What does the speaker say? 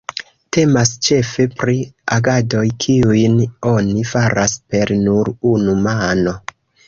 Temas ĉefe pri agadoj, kiujn oni faras per nur unu mano.